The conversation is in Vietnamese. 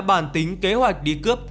bàn tính kế hoạch đi cướp